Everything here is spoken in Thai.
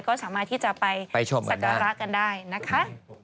ก็สามารถที่จะไปมีชมไว้กันได้นะคะ